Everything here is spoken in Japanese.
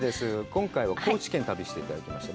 今回は高知県を旅していただきました。